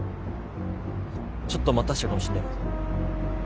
ちょっと待たせちゃうかもしんないけど。